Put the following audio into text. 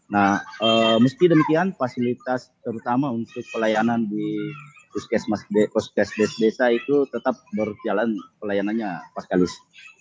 nah meski demikian fasilitas terutama untuk pelayanan di puskesmas desa itu tetap berjalan pelayanannya paskalis